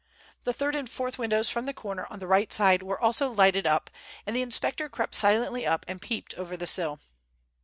The third and fourth windows from the corner on the right side were also lighted up, and the inspector crept silently up and peeped over the sill.